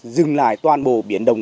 dừng lại toàn bộ biến đồng